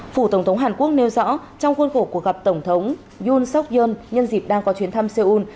phủ tổng thống hàn quốc nêu rõ trong khuôn khổ cuộc gặp tổng thống yoon seok yong nhân dịp đang có chuyến thăm seoul